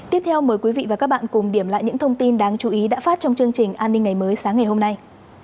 tiếp theo mời quý vị và các bạn cùng điểm lại những thông tin đáng chú ý đã phát trong chương trình an ninh ngày mới sáng ngày hôm nay